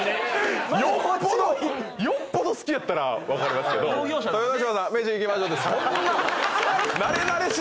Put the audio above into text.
よっぽどよっぽど好きやったら分かりますけど豊ノ島さん飯行きましょうってそんな。